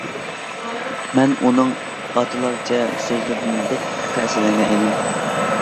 مەن ئۇنىڭ ئاتىلارچە سۆزلىرىدىن بەك تەسىرلەنگەن ئىدىم.